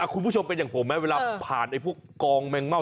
คุณผู้ชมเป็นอย่างผมไหมเวลาผ่านพวกกองแมงเม่า